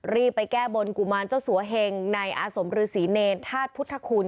รีบไปแก้บนกุมารเจ้าสัวเหงในอาสมฤษีเนรธาตุพุทธคุณ